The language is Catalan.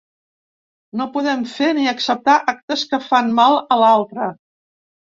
No podem fer ni acceptar actes que fan mal a l’altre.